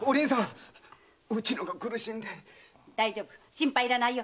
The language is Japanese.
心配いらないよ。